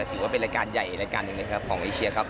ถือว่าเป็นรายการใหญ่รายการหนึ่งนะครับของเอเชียครับ